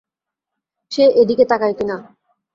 সে এদিকে তাকায় কিনা।